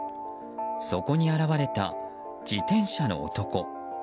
そこに現れた、自転車の男。